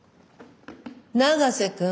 永瀬君。